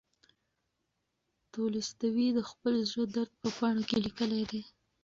تولستوی د خپل زړه درد په پاڼو کې لیکلی دی.